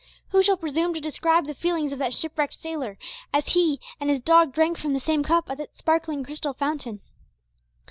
Who shall presume to describe the feelings of that shipwrecked sailor as he and his dog drank from the same cup at that sparkling crystal fountain?